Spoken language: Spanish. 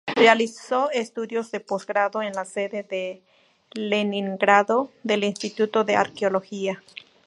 Realizó estudios de posgrado en la sede de Leningrado del Instituto de Arqueología.